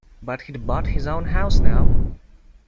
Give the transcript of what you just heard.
But he'd bought his own house now.